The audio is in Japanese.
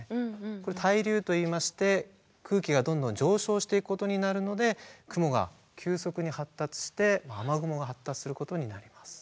これ「対流」と言いまして空気がどんどん上昇していくことになるので雲が急速に発達して雨雲が発達することになります。